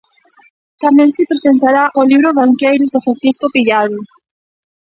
Tamén se presentará o libro Banqueiros, de Francisco Pillado.